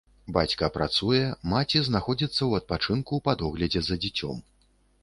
Бацька працуе, маці знаходзіцца ў адпачынку па доглядзе за дзіцем.